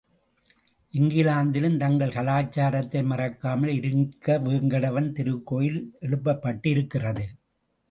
இங்கிலாந்திலும் தங்கள் கலாச்சாரத்தை மறக்காமல் இருக்க வேங்கடவன் திருக்கோயில் எழுப்பப்பட்டு இருக்கிறது.